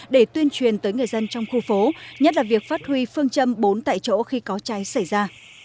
để tuyên truyền tới người dân trong khu phố nhất là việc phát huy phương châm bốn tại chỗ khi có cháy xảy ra